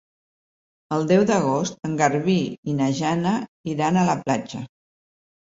El deu d'agost en Garbí i na Jana iran a la platja.